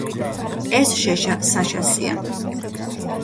ეს შეშა საშასია...